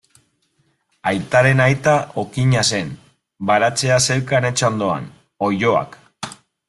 Aitaren aita okina zen, baratzea zeukan etxe ondoan, oiloak.